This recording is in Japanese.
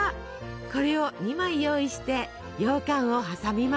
これを２枚用意してようかんを挟みます。